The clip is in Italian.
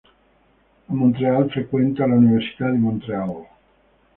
A Montréal frequenta l'Università di Montréal.